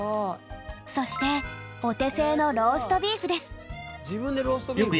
そしてお手製の自分でローストビーフ。